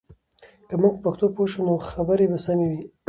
که موږ په پښتو پوه شو، نو خبرې به سمې وي.